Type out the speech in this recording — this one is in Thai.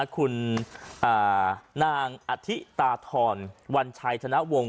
คุณนางอธิตาธรวัญชัยธนวงศ